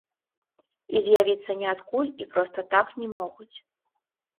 І з'явіцца ніадкуль і проста так не могуць.